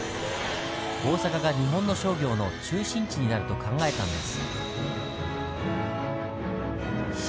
大阪が日本の商業の中心地になると考えたんです。